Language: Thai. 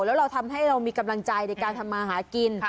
แล้วเราทำให้เรามีกำลังใจในการทำมาหากิน